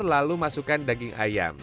lalu masukkan daging ayam